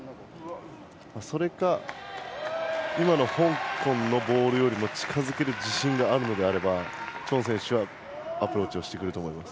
それか、香港のボールより近づける自信があるのであればチョン選手はアプローチをしてくると思います。